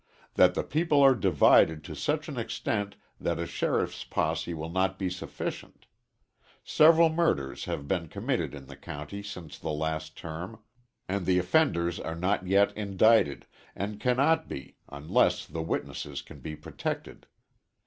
That the people are divided to such an extent that a sheriff's posse will not be sufficient. Several murders have been committed in the county since the last term, and the offenders are not yet indicted, and cannot be, unless the witnesses can be protected.